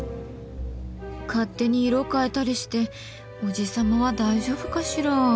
勝手に色変えたりしておじ様は大丈夫かしら？